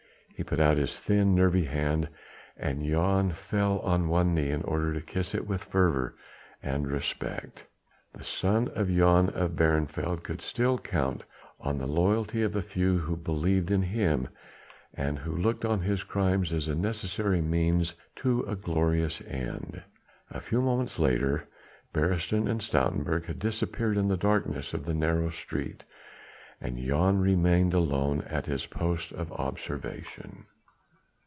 He put out his thin, nervy hand and Jan fell on one knee in order to kiss it with fervour and respect. The son of John of Barneveld could still count on the loyalty of a few who believed in him, and who looked on his crimes as a necessary means to a glorious end. A few moments later Beresteyn and Stoutenburg had disappeared in the darkness of the narrow street, and Jan remained alone at his post of observation.